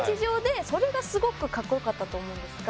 それがすごくかっこよかったと思うんですが。